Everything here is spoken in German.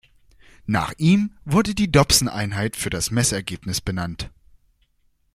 Nach ihm wurde die Dobson-Einheit für das Messergebnis benannt.